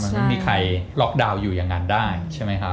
มันก็ไม่มีใครล็อกดาวน์อยู่อย่างอย่างนั้นได้